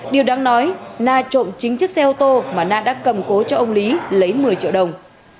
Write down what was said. điều đáng nói na trộm chính chiếc xe ô tô mà na đã cầm cố cho ông lý lấy một mươi triệu đồng